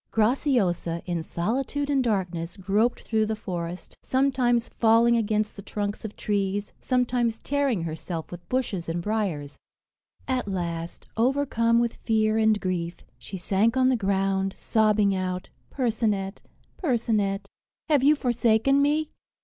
Graciosa, in solitude and darkness, groped through the forest, sometimes falling against the trunks of trees, sometimes tearing herself with bushes and briers; at last, overcome with fear and grief, she sank on the ground, sobbing out, "Percinet, Percinet, have you forsaken me?"